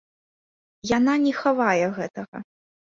Яна не хавае гэтага.